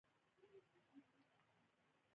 ازادي راډیو د اقلیم په اړه د عبرت کیسې خبر کړي.